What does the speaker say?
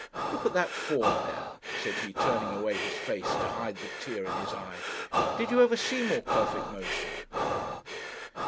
Look at that fawn there,' said he, turning away his face to hide the tear in his eye, 'did you ever see more perfect motion?'